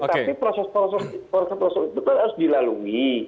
tetapi proses proses itu harus dilalui